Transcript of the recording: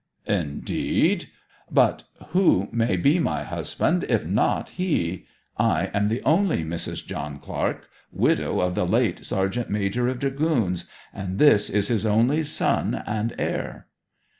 'Indeed. But who may be my husband, if not he? I am the only Mrs. John Clark, widow of the late Sergeant Major of Dragoons, and this is his only son and heir.'